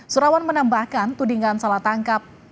surawan menambahkan tudingan salah tangkap